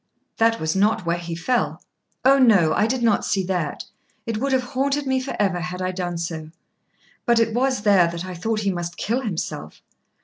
"That was not where he fell." "Oh no; I did not see that. It would have haunted me for ever had I done so. But it was there that I thought he must kill himself.